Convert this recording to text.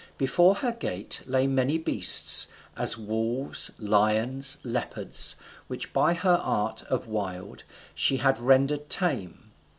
Before her gate lay many beasts, as wolves, lions, leopards, which, by her art, of wild, she had rendered tame.